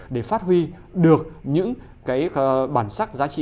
để phát huy được những cái bản sắc giá trị